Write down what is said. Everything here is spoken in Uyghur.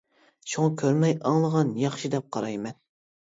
شۇڭا كۆرمەي ئاڭلىغان ياخشى دەپ قارايمەن.